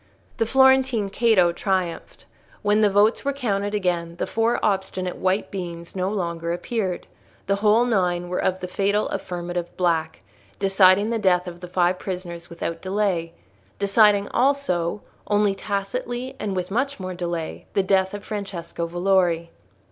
The Florentine Cato triumphed. When the votes were counted again, the four obstinate white beans no longer appeared; the whole nine were of the fatal affirmative black, deciding the death of the five prisoners without delay—deciding also, only tacitly and with much more delay, the death of Francesco Valori.